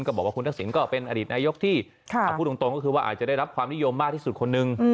บอกว่าคุณทักษิณก็เป็นอดีตนายกที่พูดตรงก็คือว่าอาจจะได้รับความนิยมมากที่สุดคนนึง